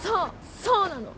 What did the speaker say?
そうなの！